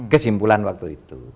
kesimpulan waktu itu